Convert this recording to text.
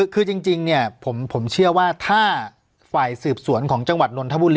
คือจริงผมเชื่อว่าถ้าฝ่ายสืบสวนของจังหวัดนนทบุรี